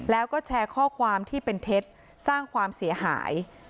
แล้วก็แชร์ข้อความที่เป็นเท็จสร้างความเสียหาย